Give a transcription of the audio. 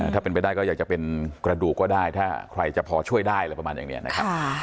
ถ้าเป็นไปได้ก็อยากจะเป็นกระดูกก็ได้ถ้าใครจะพอช่วยได้อะไรประมาณอย่างนี้นะครับ